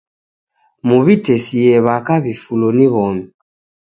Muw'itesie w'aka w'ifulo ni w'omi.